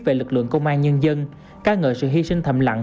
về lực lượng công an nhân dân ca ngợi sự hy sinh thầm lặng